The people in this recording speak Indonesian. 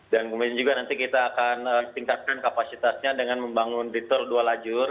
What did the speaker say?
dan kemudian juga nanti kita akan tingkatkan kapasitasnya dengan membangun dritor dua lajur